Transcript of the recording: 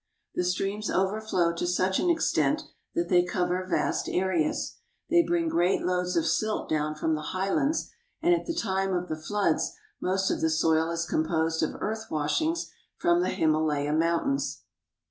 The streams overflow to such an extent that they cover vast areas. They bring great loads of silt down from the highlands, and at the time of the floods most of the soil is composed of earth washings from the Himalaya Mountains.